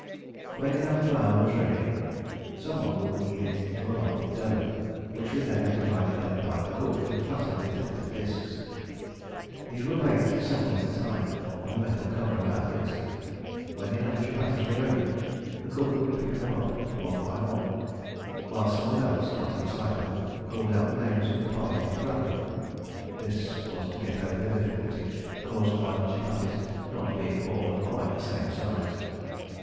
When enough flour was ready, some one would knead it into a lump of dough, which would then be divided up by the cook and flattened into little discs. These were baked several at a time on the metal cover of our dixie. When enough chupatties were ready, the cook would pick them up one by one, while some one else, not in sight of them, called out the names of the party at random. This was to get over the difficulty caused by the chupatties not being all of quite the same size.